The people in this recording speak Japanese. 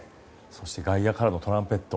そして外野からのトランペット。